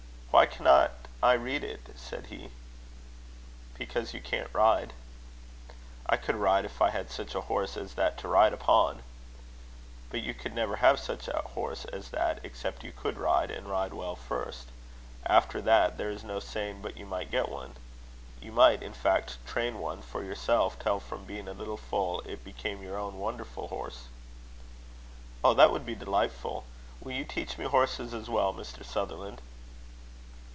"Why cannot I read it?" said he. "Because you can't ride." "I could ride, if I had such a horse as that to ride upon." "But you could never have such a horse as that except you could ride, and ride well, first. After that, there is no saying but you might get one. You might, in fact, train one for yourself till from being a little foal it became your own wonderful horse." "Oh! that would be delightful! Will you teach me horses as well, Mr. Sutherland?"